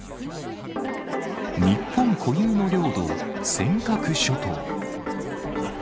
日本固有の領土、尖閣諸島。